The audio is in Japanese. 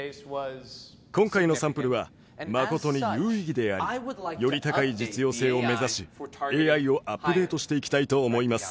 今回のサンプルは誠に有意義でありより高い実用性を目指しＡＩをアップデートしていきたいと思います。